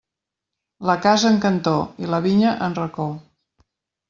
La casa, en cantó; i la vinya, en racó.